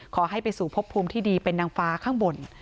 ขอให้ไปสู่พบภูมิที่ดีเป็นนางฟ้าข้างบน